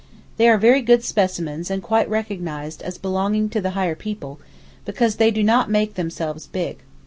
They are very good specimens and quite recognised as 'belonging to the higher people,' because they 'do not make themselves big.